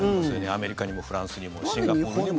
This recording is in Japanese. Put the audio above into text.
アメリカにもフランスにもシンガポールにも。